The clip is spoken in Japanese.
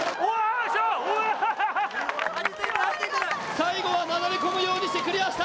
最後は流れ込むようにしてクリアした。